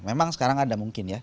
memang sekarang ada mungkin